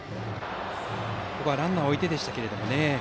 ここはランナーを置いてでしたが。